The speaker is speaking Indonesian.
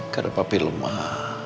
karena papi lemah